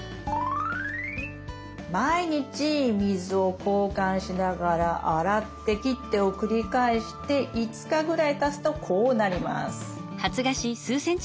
毎日水を交換しながら洗って切ってを繰り返して５日ぐらいたつとこうなります。